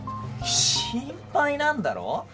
心配なんだろ？